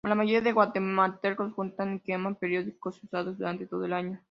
La mayoría de guatemaltecos juntan y queman periódicos usados durante todo el año.